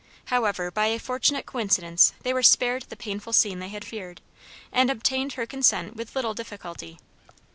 However, by a fortunate coincidence they were spared the painful scene they had feared, and obtained her consent with little difficulty.